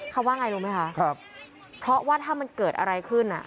เขาว่าไงรู้ไหมคะเพราะว่าถ้ามันเกิดอะไรขึ้นอ่ะ